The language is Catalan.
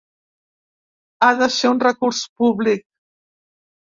Ha de ser un recurs públic.